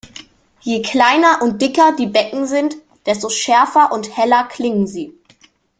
Je kleiner und dicker die Becken sind, desto schärfer und heller klingen sie.